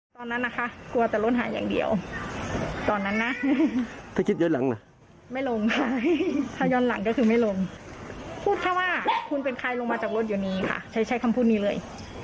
ตอนนั้นนะคะกลัวแต่รถหายอย่างเดียวตอนนั้นนะถ้าย้อนหลังก็คือไม่ลงพูดถ้าว่าคุณเป็นใครลงมาจากรถอยู่นี้ค่ะใช้คำพูดนี้เลย